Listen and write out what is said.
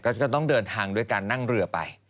ก็จะต้องเดินทางด้วยการนั่งเรือไป